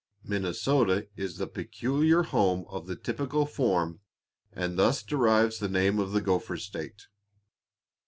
Minnesota is the peculiar home of the typical form, and thus deserves the name of the 'Gopher State.'"